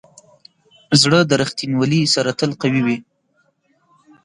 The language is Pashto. زړه د ریښتینولي سره تل قوي وي.